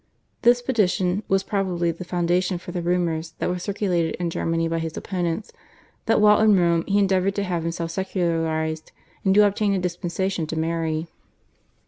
This petition was probably the foundation for the rumours that were circulated in Germany by his opponents that while in Rome he endeavoured to have himself "secularised" and to obtain a dispensation to marry.